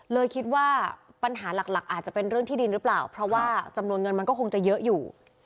เลยคิดว่าปัญหาหลักอาจจะเป็นเรื่องที่ดินหรือเปล่าเพราะว่าจำนวนเงินมันก็คงจะเยอะอยู่